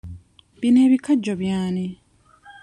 Bino ebikajjo by'ani?